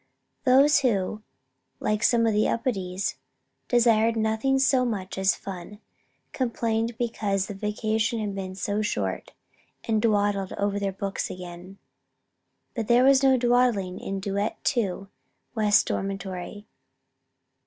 Those who like some of the Upedes desired nothing so much as "fun," complained because the vacation had been so short, and dawdled over their books again. But there was no dawdling in Duet Two, West Dormitory.